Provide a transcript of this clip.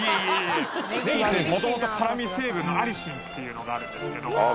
ねぎって元々辛味成分のアリシンっていうのがあるんですけどああ